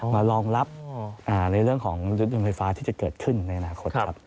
รองรับในเรื่องของรถยนต์ไฟฟ้าที่จะเกิดขึ้นในอนาคตครับ